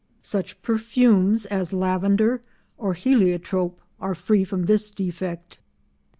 Such perfumes as lavender or heliotrope are free from this defect.